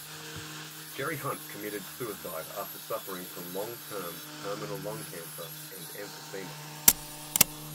Jerry Hunt committed suicide after suffering from long-term terminal lung cancer and emphysema.